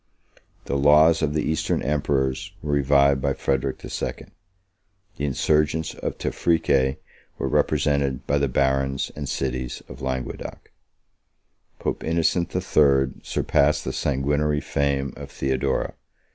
The laws of the Eastern emperors were revived by Frederic the Second. The insurgents of Tephrice were represented by the barons and cities of Languedoc: Pope Innocent III. surpassed the sanguinary fame of Theodora.